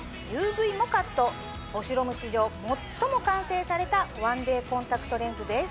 ＵＶもカットボシュロム史上最も完成されたワンデーコンタクトレンズです。